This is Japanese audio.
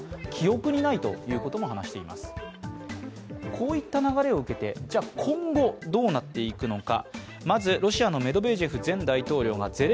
こういった流れを受けて、今後どうなっていくのか。